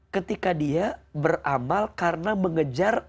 ketika dia beramal karena mengejar